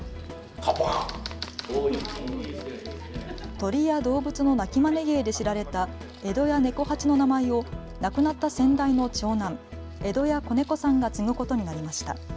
鳥や動物の鳴きまね芸で知られた江戸家猫八の名前を亡くなった先代の長男、江戸家小猫さんが継ぐことになりました。